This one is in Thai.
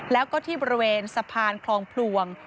แล้วก็ที่บริเวณสะพานคลองพลวง